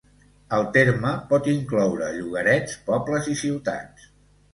El terme pot incloure llogarets, pobles i ciutats.